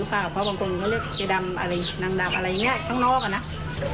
เพราะบางคนเขาเรียกเจ๊ดำอะไรนางดำอะไรอย่างนี้ข้างนอกอ่ะนะ